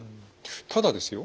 ただですよ